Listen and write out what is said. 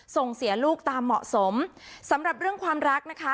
ส่งเสียลูกตามเหมาะสมสำหรับเรื่องความรักนะคะ